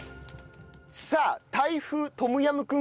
さあタイ風トムヤムクン